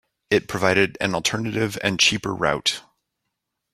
It provided an alternative and cheaper route.